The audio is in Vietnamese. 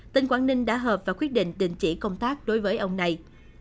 tỉnh quảng ninh đã hợp và quyết định đình chỉ công tác đối với ông này